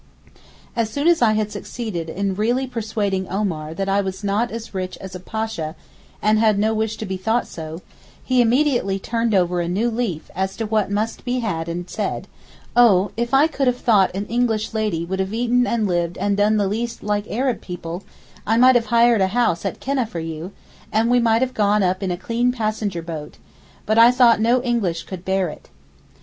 As soon as I had succeeded in really persuading Omar that I was not as rich as a Pasha and had no wish to be thought so, he immediately turned over a new leaf as to what must be had and said 'Oh, if I could have thought an English lady would have eaten and lived and done the least like Arab people, I might have hired a house at Keneh for you, and we might have gone up in a clean passenger boat, but I thought no English could bear it.